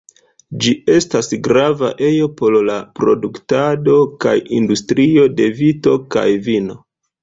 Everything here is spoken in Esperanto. Ĝi estas grava ejo por la produktado kaj industrio de vito kaj vino.